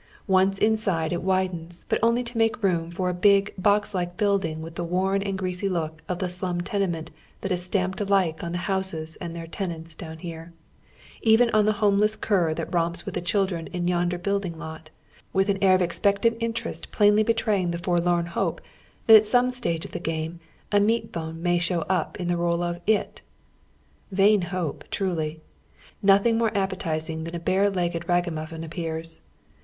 Once inside it widens, but only to make I'ooni for a big box like building with the worn and gi'easy look of the slum tenetnent that is stamped alike on the houses and their tenants down here, even on the homeless eiir tliat romps with the children in yonder building lot, with an air of expectant interest plainly betraying the forlorn hope that at some stage of the game a moat bone may show up in the role of " It.'' Vain iiope, truly! Nothing more ap petizing than a bare legged ragamuffin appears.